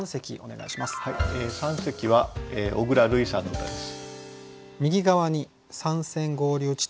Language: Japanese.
三席は小倉るいさんの歌です。